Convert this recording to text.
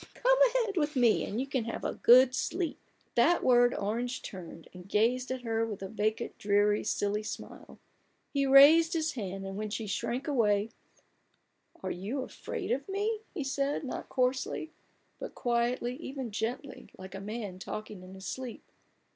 Come ahead with me and you can have a good sleep." At that word Orange turned, and gazed at her with a vacant, dreary, silly smile. He raised his hand, and when she shrank away — 56 A BOOK OF BARGAINS. " Are you afraid of me?" he said, not coarsely, but quietly, even gently, like a man talking in his sleep.